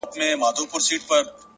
مثبت فکر د هیلو رڼا ساتي!.